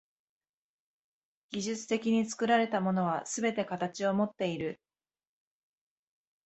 技術的に作られたものはすべて形をもっている。